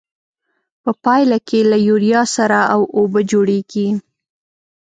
په پایله کې له یوریا سره او اوبه جوړیږي.